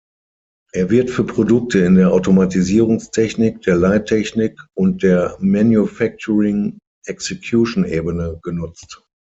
Er wird für Produkte in der Automatisierungstechnik, der Leittechnik und der Manufacturing-Execution-Ebene genutzt.